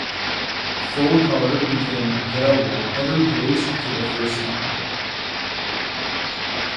Full colour became available on every page for the first time.